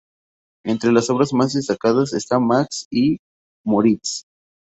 Entre las obras más destacadas está "Max y Moritz".